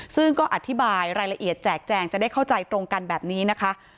ซึ่งก็อธิบายรายละเอียดแจกแจงจะได้เข้าใจตรงกันแบบนี้นะคะ